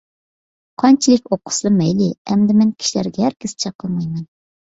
قانچىلىك ئوقۇسىلا مەيلى. ئەمدى مەن كىشىلەرگە ھەرگىز چېقىلمايمەن.